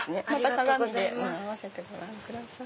鏡で合わせてご覧ください。